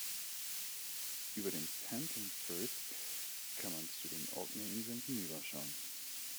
Über den Pentland Firth kann man zu den Orkneyinseln hinüber schauen.